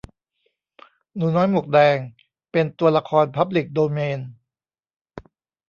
หนูน้อยหมวกแดง เป็นตัวละครพับลิกโดเมน